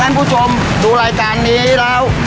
ท่านผู้ชมดูรายการนี้แล้ว